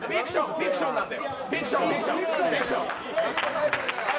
フィクションなんで。